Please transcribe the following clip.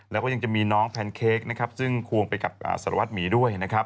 แล้วก็ยังจะมีน้องแพนเค้กซึ่งควงไปกับสละวัดหมีด้วย